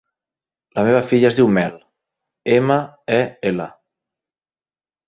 La meva filla es diu Mel: ema, e, ela.